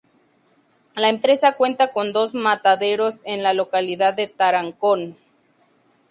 La empresa cuenta con dos mataderos en la localidad de Tarancón.